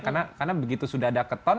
karena begitu sudah ada keton